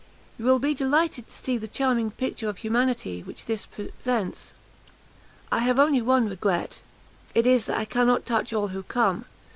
You will be delighted to see the charming picture of humanity which this presents. I have only one regret it is, that I cannot touch all who come.